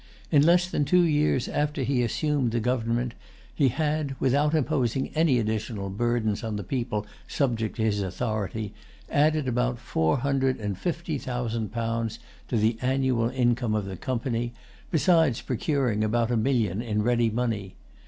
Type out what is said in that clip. In less than two years after he assumed the government, he had, without imposing any additional burdens on the people subject to his authority, added about four hundred and fifty thousand pounds to the annual income of the Company, besides procuring about a million in ready money.